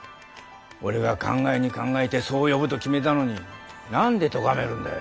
俺が考えに考えてそう呼ぶと決めたのに何で咎めるんだい。